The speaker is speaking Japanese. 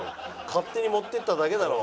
勝手に持って行っただけだろ。